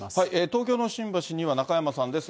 東京の新橋には中山さんです。